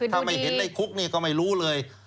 ถ้าไม่เห็นในคุกนี่ก็ไม่รู้เลย